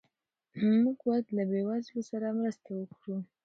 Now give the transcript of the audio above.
موږ باید له بې وزلو سره مرسته وکړو.